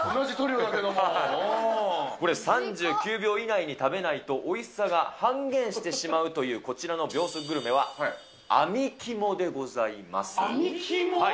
これ３９秒以内に食べないとおいしさが半減してしまうというこちらの秒速グルメは、あみ肝でございます。